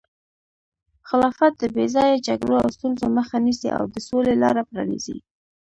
خلافت د بې ځایه جګړو او ستونزو مخه نیسي او د سولې لاره پرانیزي.